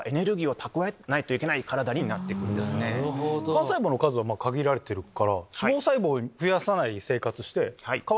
幹細胞の数は限られてるから。